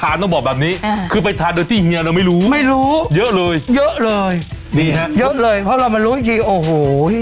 อะคือไปทานด้วยเฮียเราไม่รู้ไม่รู้เยอะเลยเยอะเลยเพราะเรามาลุยทีโอ้โห